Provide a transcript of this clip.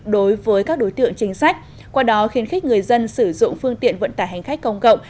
đối với các đối tượng chính sách qua đó khiến khích người dân sử dụng phương tiện vận tải hành khách công cộng